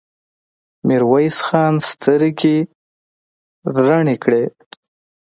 ميرويس خان سترګې رڼې کړې.